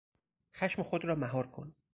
خشم خود را مهار کن!